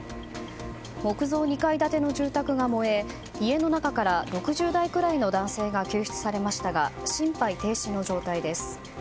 木造２階建ての住宅が燃え家の中から６０代ぐらいの男性が救出されましたが心肺停止の状態です。